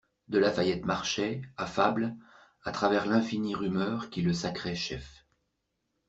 De La Fayette marchait, affable, à travers l'infinie rumeur qui le sacrait chef.